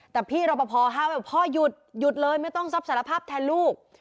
แต่พี่รอปภห้ามว่าพ่อหยุดหยุดเลยไม่ต้องรับสารภาพแทนลูก